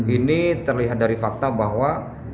ini terlihat dari fakta bahwa